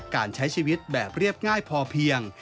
การใช้ชีวิตแบบเรียบง่ายพอเพียง